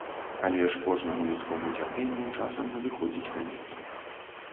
Але ж кожнаму людскому цярпенню часам надыходзіць канец.